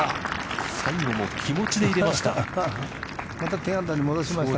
最後も気持ちで入れました。